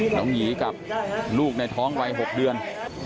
หยีกับลูกในท้องวัย๖เดือน